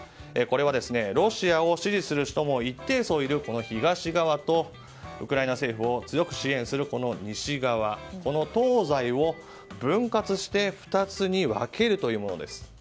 これは、ロシアを支持する人も一定数いる東側と、ウクライナ政府を強く支援する西側この東西を分割して２つに分けるというものです。